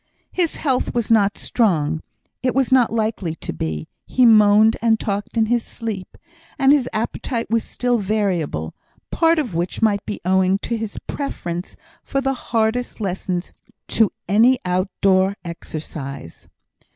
His health was not strong; it was not likely to be. He moaned and talked in his sleep, and his appetite was still variable, part of which might be owing to his preference of the hardest lessons to any outdoor exercise.